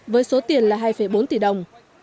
với số tiền là hai phần